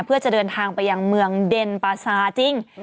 เพื่อจะเดินทางไปยังเมืองเดนปาซาจริง